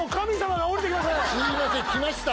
すいません来ました